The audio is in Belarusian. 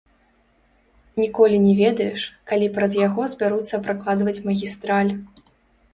Ніколі не ведаеш, калі праз яго збяруцца пракладваць магістраль.